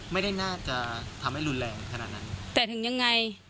น่าจะทำให้รุนแรงขนาดนั้นแต่ถึงยังไง